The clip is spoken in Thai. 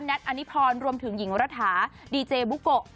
แนนท์อันนิพรรณรวมถึงหญิงระถาดีเจบุโกะ